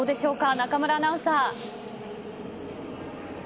中村アナウンサー。